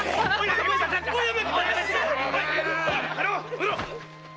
やめろ！